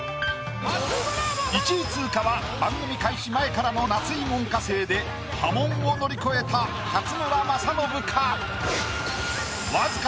１位通過は番組開始前からの夏井門下生で破門を乗り越えた勝村政信か？